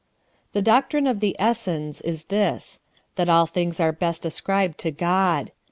5. The doctrine of the Essens is this: That all things are best ascribed to God.